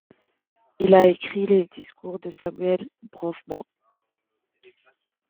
Il a écrit les discours de Samuel Bronfman.